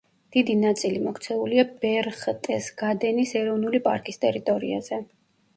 დიდი ნაწილი მოქცეულია ბერხტესგადენის ეროვნული პარკის ტერიტორიაზე.